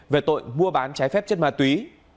về tội mua bán trái phép chất ma túy